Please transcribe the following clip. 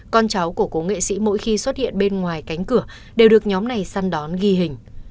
con cháu của cố nghệ sĩ mỗi khi xuất hiện bên ngoài cánh cửa đều được nhóm này săn đón ghi hình